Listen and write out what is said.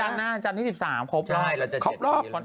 วันจันทร์หน้าจันทร์ที่๑๓ครบรอบ